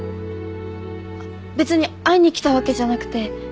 別に会いに来たわけじゃなくて。